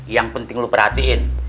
yang penting lu perhatiin